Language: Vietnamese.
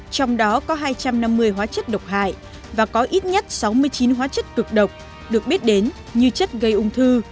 trong đó có hai trăm năm mươi hóa chất độc hại và có ít nhất sáu mươi chín hóa chất cực độc được biết đến như chất gây ung thư